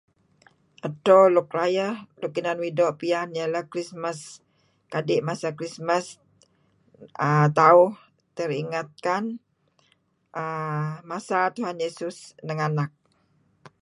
Edto luk rayeh luk uih doo' piyan ialah Christmas, kadi' masa Christmas err tauh teringatkan err masa Tuhan Yesus nenganak.